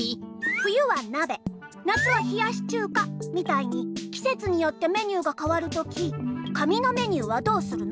冬はなべ夏はひやしちゅうかみたいにきせつによってメニューがかわるとき紙のメニューはどうするの？